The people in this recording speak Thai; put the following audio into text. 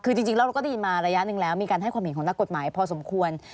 คือจริงแล้วเราก็ได้ยินมาระยะหนึ่งแล้วมีการให้ความเห็นของนักกฎหมายพอสมควร